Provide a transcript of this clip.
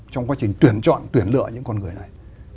trong quá trình tuyển chọn tuyển lựa những con người này